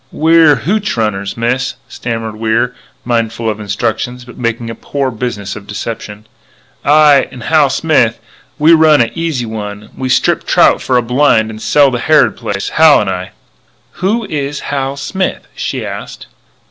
"We're h hootch runners, Miss " stammered Wier, mindful of instructions, but making a poor business of deception; " I and Hal Smith, we run a 'Easy One,' and we strip trout for a blind and sell to Harrod Place Hal and I " "Who is Hal Smith?" she asked.